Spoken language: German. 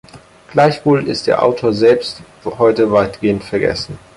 Gleichwohl ist der Autor selbst heute weitgehend vergessen.